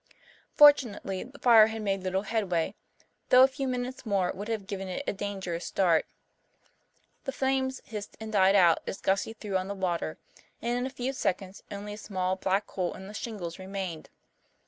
Fortunately the fire had made little headway, though a few minutes more would have given it a dangerous start. The flames hissed and died out as Gussie threw on the water, and in a few seconds only a small black hole in the shingles remained.